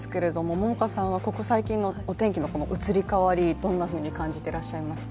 桃花さんはここ最近のお天気の移り変わりどんなふうに感じてらっしゃいますか？